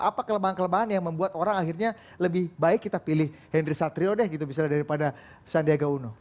apa kelemahan kelemahan yang membuat orang akhirnya lebih baik kita pilih henry satrio deh gitu misalnya daripada sandiaga uno